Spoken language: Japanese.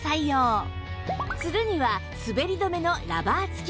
ツルには滑り止めのラバー付き